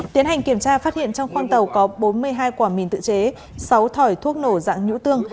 tiến hành kiểm tra phát hiện trong khoang tàu có bốn mươi hai quả mìn tự chế sáu thỏi thuốc nổ dạng nhũ tương